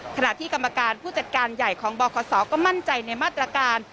ขณะที่กรรมการผู้จัดการใหญ่ของบคศก็มั่นใจในมาตรการ